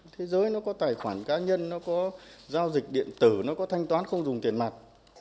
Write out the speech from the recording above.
thế giới nó có tài khoản cá nhân nó có giao dịch điện tử nó có thanh toán không dùng tiền mặt